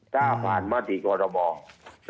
ถ้าผ่านมาถึงกรมอภัย